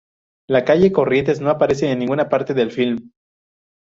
La calle Corrientes no aparece en ninguna parte del filme.